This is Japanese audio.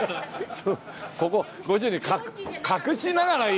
ここご主人隠しながら言わないとな。